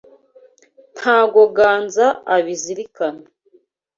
Ntago ganza abizirikana.